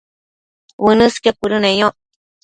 uënësqio cuëdëneyoc